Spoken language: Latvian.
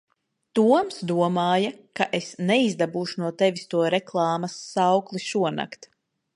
Toms domāja, ka es neizdabūšu no tevis to reklāmas saukli šonakt.